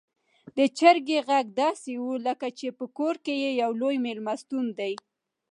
د چرګې غږ داسې و لکه چې په کور کې يو لوی میلمستون دی.